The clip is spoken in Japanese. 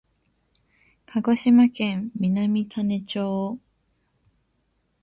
鹿児島県南種子町